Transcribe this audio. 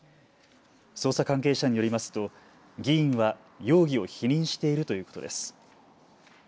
捜査関係者によりますと議員は容疑を否認しているということです。